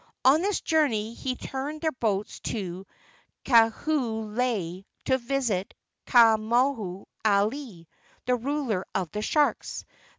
On this journey he turned their boats to Kahoo lawe to visit Ka moho alii, the ruler of the sharks.